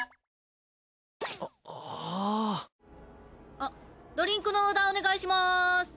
ああぁあっドリンクのオーダーお願いします。